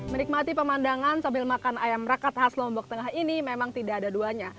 menikmati pemandangan sambil makan ayam rakat khas lombok tengah ini memang tidak ada duanya